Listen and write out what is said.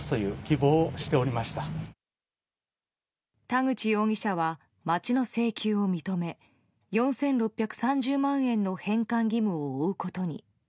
田口容疑者は町の請求を認め４６３０万円の返還義務を負うことに。